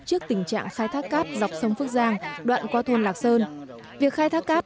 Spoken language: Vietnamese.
trước tình trạng khai thác cát dọc sông phước giang đoạn qua thôn lạc sơn việc khai thác cát